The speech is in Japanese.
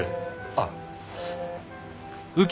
あっ。